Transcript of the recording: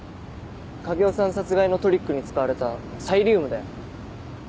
影尾さん殺害のトリックに使われたサイリウムだよ。